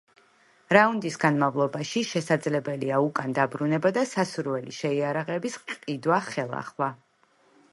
რაუნდის განმავლობაში შესაძლებელია უკან დაბრუნება და სასურველი შეიარაღების ყიდვა ხელახლა.